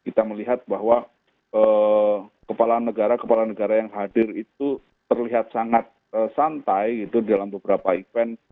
kita melihat bahwa kepala negara kepala negara yang hadir itu terlihat sangat santai gitu dalam beberapa event